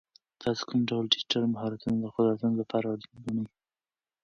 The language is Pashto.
تاسو کوم ډول ډیجیټل مهارتونه د خپل راتلونکي لپاره اړین ګڼئ؟